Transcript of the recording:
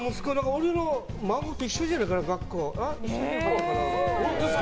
俺の孫と一緒じゃないかな、学校。